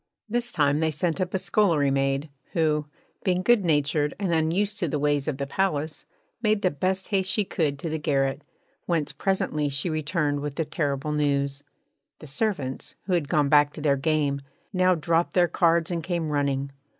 This time they sent up a scullery maid; who, being good natured and unused to the ways of the palace, made the best haste she could to the garret, whence presently she returned with the terrible news. The servants, who had gone back to their game, now dropped their cards and came running.